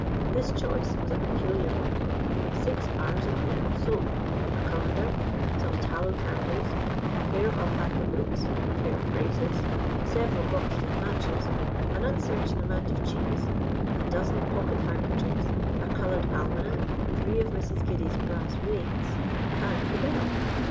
This choice was a peculiar one six bars of yellow soap, a cullender, some tallow candles, a pair of alpaca boots, a pair of braces, several boxes of matches, an uncertain amount of cheese, a dozen pocket handkerchiefs, a coloured almanack, three of Mrs. Giddy's brass weights, and the bell.